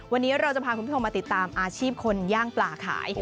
วันนี้เราจะพาคุณผู้ชมมาติดตามอาชีพคนย่างปลาขาย